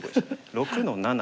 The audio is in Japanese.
６の七。